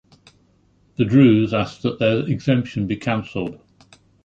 The Druze asked that their exemption be canceled.